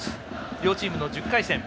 両チームの１０回戦。